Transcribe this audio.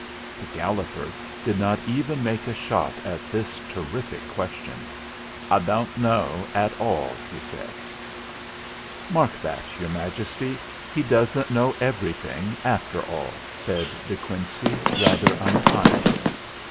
The Galloper did not even make a shot at this terrific question. "I doan't knaw at all," he said. "Mark that, Your Majesty! He doesn't know everything, after all !" said De Quincey, rather unkindly.